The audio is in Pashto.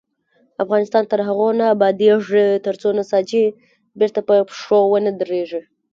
افغانستان تر هغو نه ابادیږي، ترڅو نساجي بیرته په پښو ونه دریږي.